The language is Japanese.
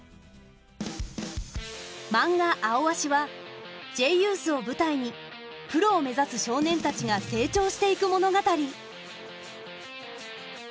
マンガ「アオアシ」はＪユースを舞台にプロを目指す少年たちが成長していく物語。